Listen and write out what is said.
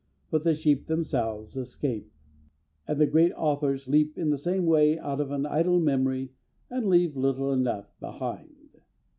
But the sheep themselves escape, and the great authors leap in the same way out of an idle memory and leave little enough behind.